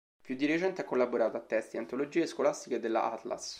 Più di recente ha collaborato a testi e antologie scolastiche della Atlas.